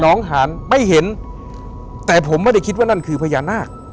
หานไม่เห็นแต่ผมไม่ได้คิดว่านั่นคือพญานาค